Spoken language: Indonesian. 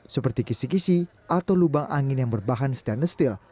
seperti kisi kisi atau lubang angin yang berbahan stainless steel